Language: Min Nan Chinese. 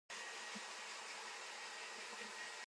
田螺含水罔過冬